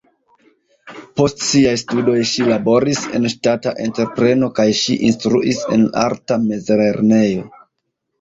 Post siaj studoj ŝi laboris en ŝtata entrepreno kaj ŝi instruis en arta mezlernejo.